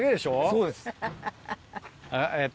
そうです。